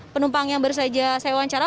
penumpang yang baru saja saya wawancara